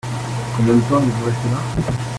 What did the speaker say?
Combien de temps allez-vous rester là ?